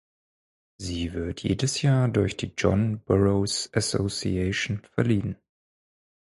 Sie wird jedes Jahr durch die John Burroughs Association verliehen.